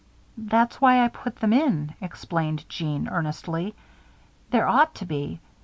"That's why I put them in," explained Jeanne, earnestly. "There ought to be.